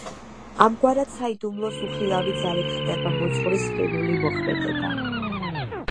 ამგვარად საიდუმლოს უხილავი ძალით ხდება მოძღვრის ხილული მოქმედება.